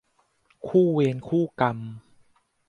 คู่เวรคู่กรรม